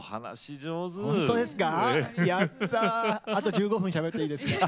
あと１５分しゃべっていいですか？